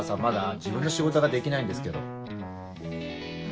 自分の仕事ができないんですけど。